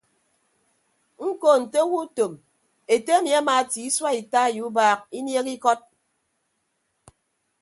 Ñko nte owo utom ete emi amaatie isua ita ye ubaak inieehe ikọt.